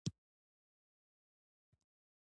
آیا د غواګانو فارمونه عصري دي؟